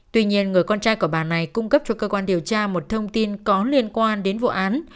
tuy nhiên người con trai của bà này cung cấp cho cơ quan điều tra một thông tin có liên quan đến vụ án